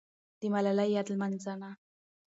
د ملالۍ یاد لمانځه.